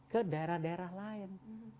ke daerah daerah lain